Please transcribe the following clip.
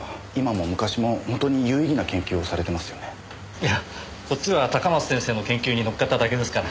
いやこっちは高松先生の研究に乗っかっただけですから。